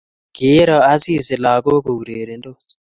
Kiiro Asisi lagok kourerendos